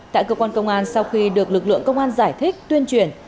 tại cơ quan công an sau khi được lực lượng công an giải thích tuyên truyền